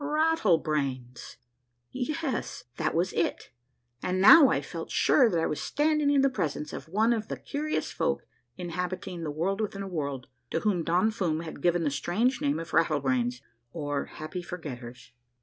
Rattlebrains ! Yes, that was it; and now I felt sure that I was standing in the presence of one of the curious folk inhabiting the World within a World, to whom Don Fum had given the strange name of Rattlebrains, or Happy Forgetters.